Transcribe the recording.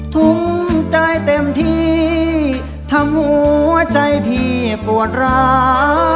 ทุ่มใจเต็มที่ทำหัวใจพี่ปวดร้า